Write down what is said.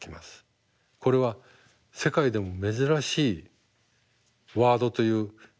これは世界でも珍しいワードという英語だと。